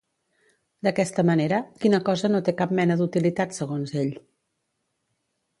D'aquesta manera, quina cosa no té cap mena d'utilitat segons ell?